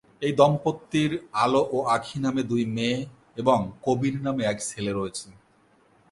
এই দম্পতির আলো ও আঁখি নামে দুই মেয়ে এবং কবির নামে এক ছেলে রয়েছে।